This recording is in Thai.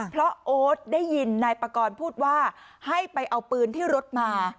เพราะโอ๊ตได้ยินนายปากรพูดว่าให้ไปเอาปืนที่รถมา